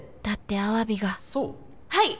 だってアワビが